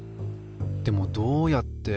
でもどうやって。